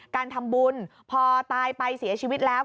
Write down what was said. การทำบุญพอตายไปเสียชีวิตแล้ว